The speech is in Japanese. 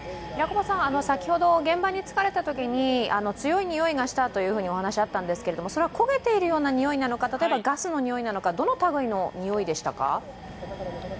先ほど、現場に着かれたときに強いにおいがしたというお話があったんですけど、焦げているようなにおいなのか例えばガスのにおいなのか、どの類いのにおいでしたか？